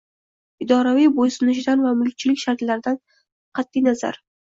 idoraviy bo`ysunishidan va mulkchilik shakllaridan qat’i nazar